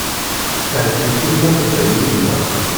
Ahat yif-it ma tedda yid-nneɣ.